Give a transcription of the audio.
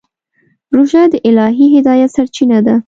روژه د الهي هدایت سرچینه ده.